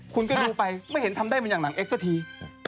คุณก็ดูไปไม่เห็นทำได้มันอย่างหนังเอ็กซสักที